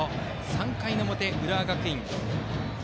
３回の表、浦和学院の攻撃。